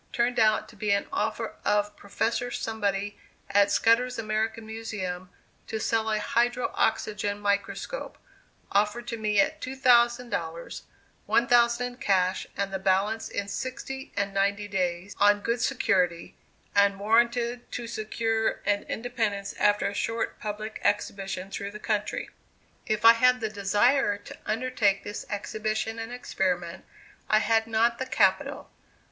turned out to be an offer of Professor Somebody at Scudder's American Museum to sell a hydro oxygen microscope, offered to me at two thousand dollars one thousand in cash and the balance in sixty and ninety days, on good security, and warranted to secure an independence after a short public exhibition through the country. If I had the desire to undertake this exhibition and experiment, I had not the capital.